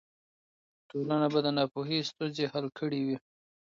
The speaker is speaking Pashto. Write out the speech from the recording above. ټولنه به د ناپوهۍ ستونزې حل کړې وي.